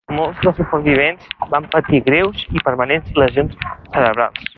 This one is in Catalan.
Molts dels supervivents van patir greus i permanents lesions cerebrals.